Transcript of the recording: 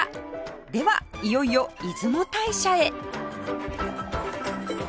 ではいよいよ出雲大社へ